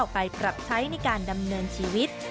ไปปรับใช้ในการดำเนินชีวิต